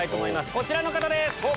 こちらの方です！